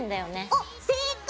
おっ正解！